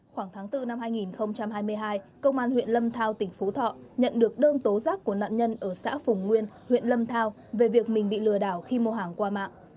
khoảng tháng bốn năm hai nghìn hai mươi hai công an huyện lâm thao tỉnh phú thọ nhận được đơn tố giác của nạn nhân ở xã phùng nguyên huyện lâm thao về việc mình bị lừa đảo khi mua hàng qua mạng